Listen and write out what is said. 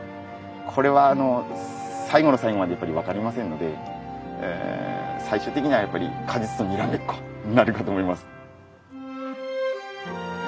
これはあの最後の最後までやっぱり分かりませんので最終的にはやっぱり果実とにらめっこになるかと思います。